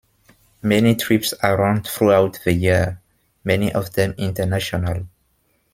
Many trips are run throughout the year, many of them international.